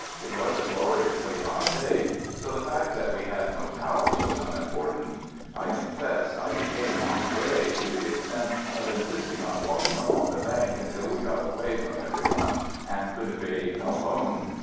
It was a glori ously hot day, so the fact that we had no towels was unimportant. I confess I became "anglais" to the extent of insist ing on walking along the bank until we got away from every one and could bathe alone.